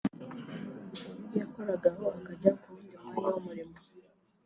yakoragaho akajya ku wundi mwanya w umurimo